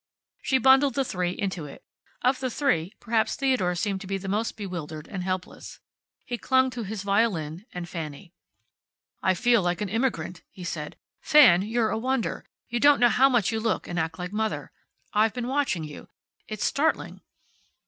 She bundled the three into it. Of the three, perhaps Theodore seemed the most bewildered and helpless. He clung to his violin and Fanny. "I feel like an immigrant," he said. "Fan, you're a wonder. You don't know how much you look and act like mother. I've been watching you. It's startling."